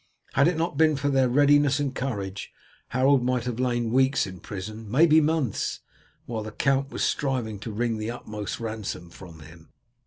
Had it not been for their readiness and courage Harold might have lain weeks in prison, maybe months, while the count was striving to wring the utmost ransom from him.